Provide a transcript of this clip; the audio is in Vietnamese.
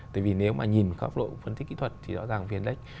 tại vì nếu mà nhìn khắp độ phân tích kỹ thuật thì rõ ràng viên đếch